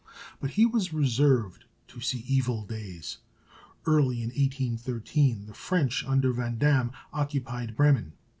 But he was reserved to see evil days. Early in 1813 the French under Vandamme occupied Bremen.